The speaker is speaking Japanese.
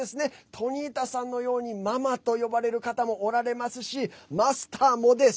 トニータさんのようにママと呼ばれる方もおられますしマスターもです。